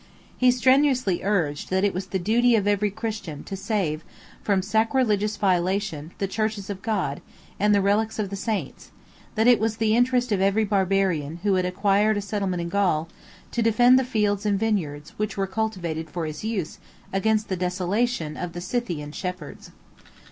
He strenuously urged, that it was the duty of every Christian to save, from sacrilegious violation, the churches of God, and the relics of the saints: that it was the interest of every Barbarian, who had acquired a settlement in Gaul, to defend the fields and vineyards, which were cultivated for his use, against the desolation of the Scythian shepherds.